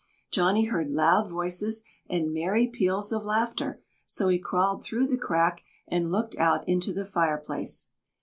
Johnny heard loud voices and merry peals of laughter, so he crawled through the crack and looked out into the fireplace.